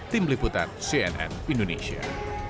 tim liputan cnn indonesia